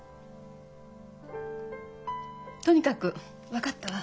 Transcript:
とにかく分かったわ。